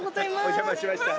お邪魔しました。